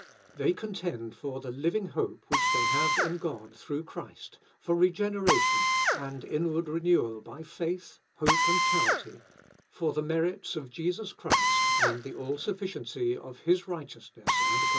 "They contend for the living hope which they have in God through Christ, for regeneration, and inward renewal by faith, hope, and charity, for the merits of Jesus Christ, and the all sufficiency of his righteousness and grace."